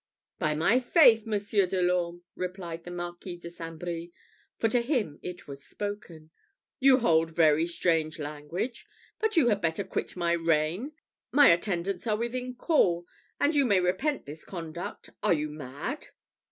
"By my faith, Monsieur de l'Orme," replied the Marquis de St. Brie for to him it was spoken "you hold very strange language; but you had better quit my rein; my attendants are within call, and you may repent this conduct. Are you mad?"